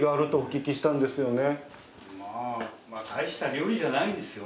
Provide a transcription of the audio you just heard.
大した料理じゃないんですよ。